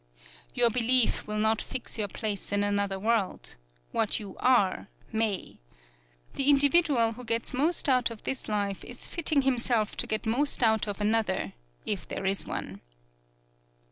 Your belief will not fix your place in another world what you are, may. The individual who gets most out of this life is fitting himself to get most out of another if there is one.